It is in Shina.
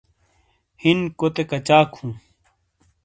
ہِینکوتے کچاک ہوں ؟